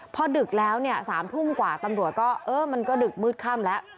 พอดึกแล้วเนี่ย๓ทุ่มกว่าตำรวจก็เออมันก็ดึกมืดค่ำแล้ว